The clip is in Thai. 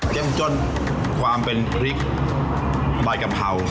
เต็มจนความเป็นพริกบ่ายกับเผา